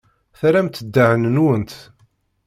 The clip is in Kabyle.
Terramt ddehn-nwent.